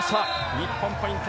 日本、ポイント。